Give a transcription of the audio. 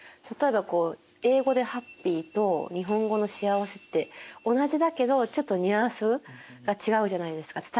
例えば英語で「ｈａｐｐｙ」と日本語の「幸せ」って同じだけどちょっとニュアンスが違うじゃないですか。